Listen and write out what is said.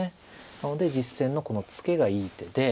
なので実戦のこのツケがいい手で。